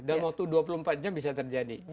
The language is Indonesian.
dalam waktu dua puluh empat jam bisa terjadi